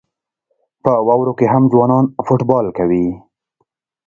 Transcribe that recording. په واورو کې هم ځوانان فوټبال کوي.